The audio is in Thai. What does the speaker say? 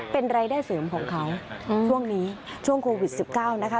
เป็นรายได้เสริมของเขาช่วงนี้ช่วงโควิด๑๙นะคะ